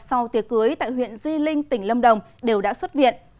sau tiệc cưới tại huyện di linh tỉnh lâm đồng đều đã xuất viện